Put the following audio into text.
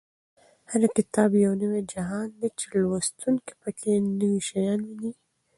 هر کتاب یو نوی جهان دی چې لوستونکی په کې نوي شیان ویني.